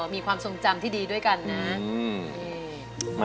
มีความทรงจำที่ดีด้วยกันนะ